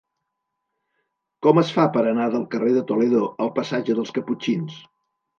Com es fa per anar del carrer de Toledo al passatge dels Caputxins?